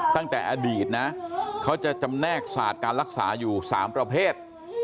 ตั้งแต่อดีตนะเขาจะจำแนกศาสตร์การรักษาอยู่๓ประเภท